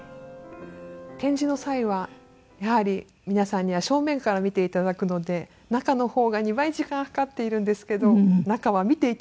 展示の際はやはり皆さんには正面から見て頂くので中の方が２倍時間がかかっているんですけど中は見て頂けないという。